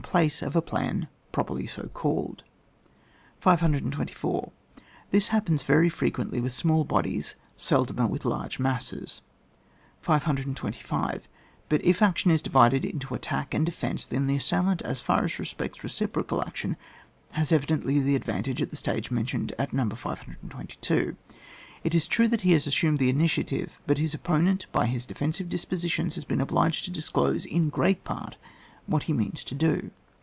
pleuse of a plan pro perly so called. 524. This happens very frequently with small bodies, seldomer with large masses. 525. But if action is divided into attack and defence, then the assailant, as far as respects reciprocal action, has evidently the advantage at the stage mentioned in No. 522. It is true that he has assumed the initiative, but his oppo nent, by his defensive dispositions, has been obliged to disclose, in great pari, what he moans to do.